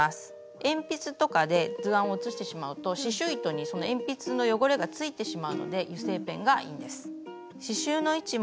鉛筆とかで図案を写してしまうと刺しゅう糸にその鉛筆の汚れが付いてしまうので油性ペンがいいんです。